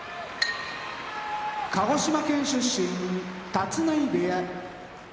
鹿児島県出身立浪部屋